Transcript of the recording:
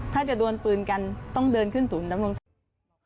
ถ้าจะดวนปืนกันต้องเดินขึ้นศูนย์ดำรงธรรม